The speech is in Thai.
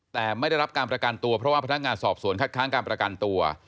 แต่ไม่ได้รับการประกันตัวเพราะว่าพนักงานสอบสวนคัดค้างการประกันตัว